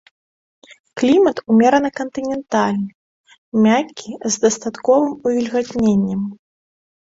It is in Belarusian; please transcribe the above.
Клімат умерана-кантынентальны, мяккі з дастатковым увільгатненнем.